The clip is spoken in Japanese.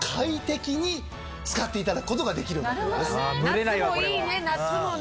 夏もいいね夏もね。